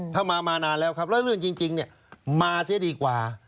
ถ้ามามานานแล้วครับแล้วเรื่องจริงมาเสียดีกว่า